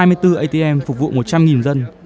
năm hai mươi bốn atm phục vụ một trăm linh dân